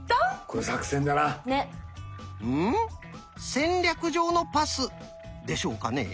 戦略上のパスでしょうかね？